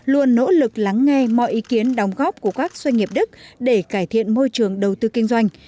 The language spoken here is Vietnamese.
luôn nỗ lực lắng nghe mọi ý kiến đóng góp của các doanh nghiệp đức để cải thiện môi trường đầu tư kinh doanh